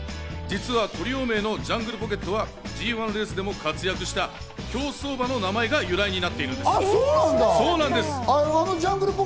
実はトリオ名のジャングルポケットはＧ１レースでも活躍した競走馬の名前が由来になっているんです。